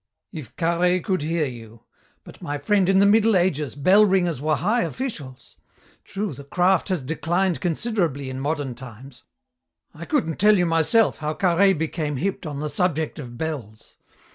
"If Carhaix could hear you! But, my friend, in the Middle Ages bell ringers were high officials. True, the craft has declined considerably in modern times. I couldn't tell you myself how Carhaix became hipped on the subject of bells.